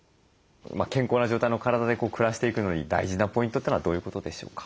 健康な状態の体で暮らしていくのに大事なポイントというのはどういうことでしょうか？